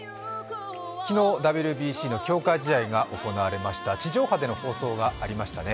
昨日ＷＢＣの強化試合が行われました地上波での放送がありましたね。